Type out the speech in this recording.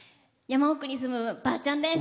山奥に住む、ばあちゃんです。